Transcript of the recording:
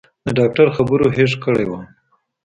د ډاکتر خبرو هېښ کړى وم.